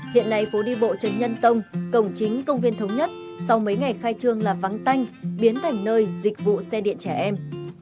hiện nay phố đi bộ trần nhân tông cổng chính công viên thống nhất sau mấy ngày khai trương là vắng tanh biến thành nơi dịch vụ xe điện trẻ em